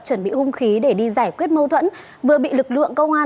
chuẩn bị hung khí để đi giải quyết mâu thuẫn vừa bị lực lượng công an